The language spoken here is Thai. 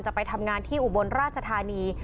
ไปทำงานที่อุบลราชธานี